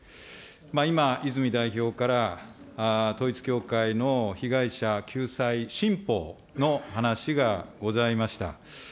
今、泉代表から、統一教会の被害者救済新法の話がございました。